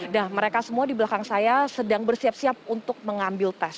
dah mereka semua di belakang saya sedang bersiap siap untuk mengambil tes